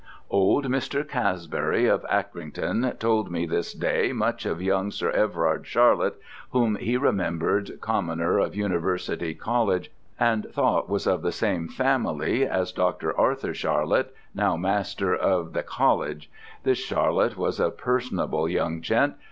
"Old Mr. Casbury, of Acrington, told me this day much of young Sir Everard Charlett, whom he remember'd Commoner of University College, and thought was of the same Family as Dr. Arthur Charlett, now master of ye Coll. This Charlett was a personable young gent.